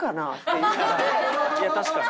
いや確かに。